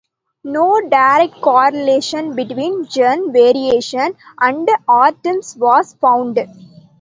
No direct correlation between gene variation and autism was found.